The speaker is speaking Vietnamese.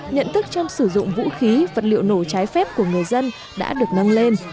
nhận thức trong sử dụng vũ khí vật liệu nổ trái phép của người dân đã được nâng lên